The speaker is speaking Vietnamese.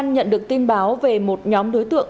nhận được tin báo về một nhóm đối tượng